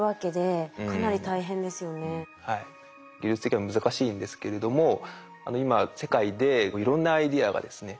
技術的には難しいんですけれども今世界でいろんなアイデアがですね